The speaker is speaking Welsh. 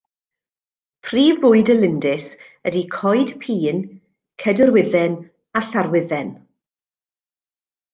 Prif fwyd y lindys ydy coed pîn, cedrwydden a llarwydden.